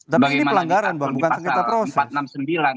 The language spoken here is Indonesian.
tapi ini pelanggaran bang bukan sengketa proses